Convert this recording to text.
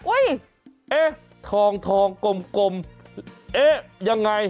เอ๊ะทองทองกลมเอ๊ะยังไง